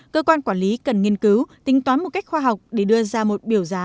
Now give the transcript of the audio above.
cơ quan quản lý cần nghiên cứu tính toán một cách khoa học để đưa ra một biểu giá